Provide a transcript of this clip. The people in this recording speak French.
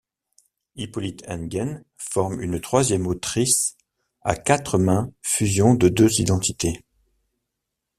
Hippolyte Hentgen forme une troisième autrice à quatre main fusion de deux identités.